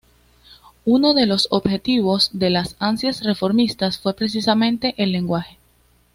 Uno de los objetivos de las ansias reformistas fue precisamente el lenguaje.